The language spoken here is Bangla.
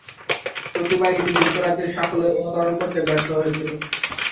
প্রতিবারই এটি যুক্তরাজ্যের সাফল্যের অনুকরণ করতে ব্যর্থ হয়েছিল।